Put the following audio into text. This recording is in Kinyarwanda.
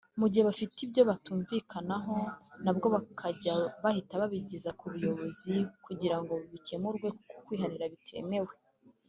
mu gihe bafite ibyo batumvikanaho nabwo bakajya bahita babigeza ku buyobozi kugira ngo bikemurwe kuko kwihanira bitemewe